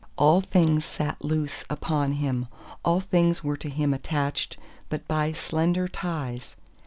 All things sat loose upon him—all things were to him attached by but slender ties.